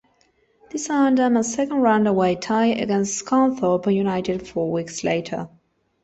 This earned them a second-round away tie against Scunthorpe United four weeks later.